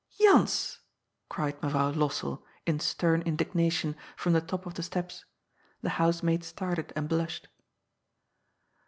^^ Jans !" cried Mevrouw Lossell, in stem indignation, from the top of the steps. The housemaid started and blushed.